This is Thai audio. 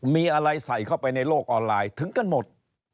มีอะไรใส่เข้าไปในโลกออนไลน์ถึงกันหมด